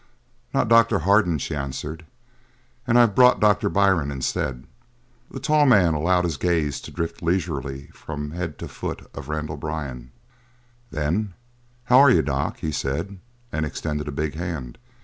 "Not Doctor Hardin," she answered, "and I've brought Doctor Byrne instead." The tall man allowed his gaze to drift leisurely from head to foot of Randall Byrne. Then: "H'ware you, doc?" he said, and extended a big hand.